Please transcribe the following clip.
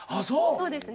そうですね。